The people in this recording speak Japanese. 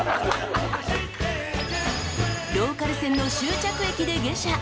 ［ローカル線の終着駅で下車］